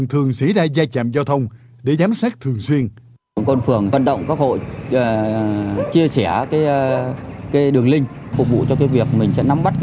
thời gian lựa chọn nhà thầu qua mạng